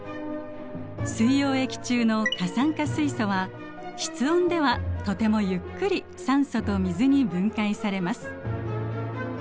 水溶液中の過酸化水素は室温ではとてもゆっくり酸素と水に分解されます。